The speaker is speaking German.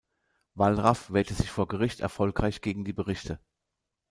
Wallraff wehrte sich vor Gericht erfolgreich gegen die Berichte.